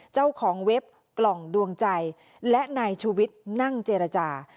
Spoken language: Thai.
เจ้าของเว็บกล่องดวงใจและนายชูวิทย์นั่งเจรจา